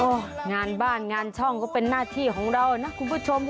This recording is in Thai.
งานบ้านงานช่องก็เป็นหน้าที่ของเรานะคุณผู้ชม